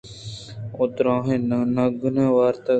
و دْراھیں نگن وارتگ